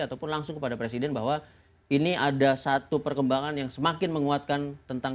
ataupun langsung kepada presiden bahwa ini ada satu perkembangan yang semakin menguatkan tentang